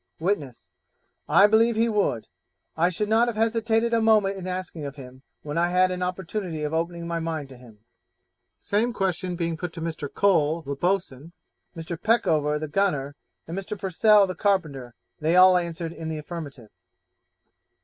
Witness 'I believe he would: I should not have hesitated a moment in asking of him when I had had an opportunity of opening my mind to him.' The same question being put to Mr. Cole, the boatswain, Mr. Peckover, the gunner, and Mr. Purcell, the carpenter, they all answered in the affirmative.